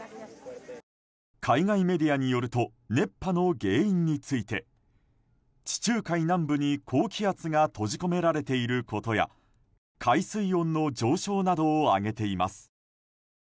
海外メディアによると熱波の原因について地中海南部に高気圧が閉じ込められていることや海水温の上昇などを挙げています。